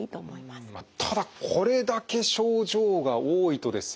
ただこれだけ症状が多いとですよ